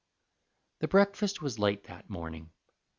The breakfast was late that morning.